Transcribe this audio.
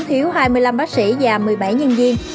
thiếu hai mươi năm bác sĩ và một mươi bảy nhân viên